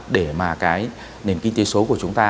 để mà nền kinh tế số của chúng ta